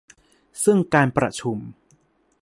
ซึ่งการประชุม